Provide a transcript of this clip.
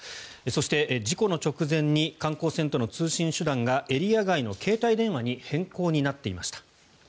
そして事故の直前に観光船との通信手段がエリア外の携帯電話に変更になっていました。